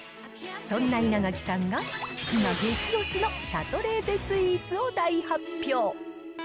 そんな稲垣さんが今、激推しのシャトレーゼスイーツを大発表。